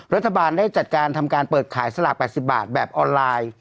รัฐบาลได้จัดการทำการเปิดขายสลาก๘๐บาทแบบออนไลน์